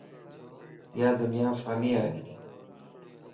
يادنيا فاني ائي